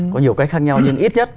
có nhiều cách khác nhau nhưng ít nhất